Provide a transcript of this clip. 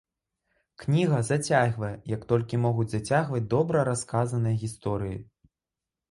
Кніга зацягвае, як толькі могуць зацягваць добра расказаныя гісторыі.